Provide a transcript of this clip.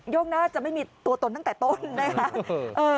โย่งน่าจะมีตัวตนตั้งแต่ต้นนะครับ